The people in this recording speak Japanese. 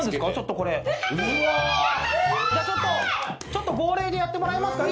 ちょっと号令でやってもらいますか。